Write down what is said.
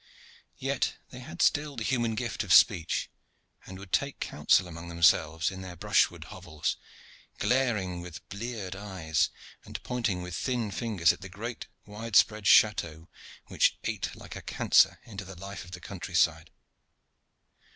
Yet they had still the human gift of speech, and would take council among themselves in their brushwood hovels, glaring with bleared eyes and pointing with thin fingers at the great widespread chateaux which ate like a cancer into the life of the country side.